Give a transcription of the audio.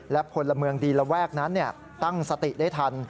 และพลเมืองดีระแวกนั้นตั้งสติได้ทัน